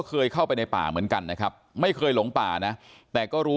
เคยเข้าไปในป่าเหมือนกันนะครับไม่เคยหลงป่านะแต่ก็รู้